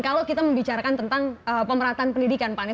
kalau kita membicarakan tentang pemerataan pendidikan pak anies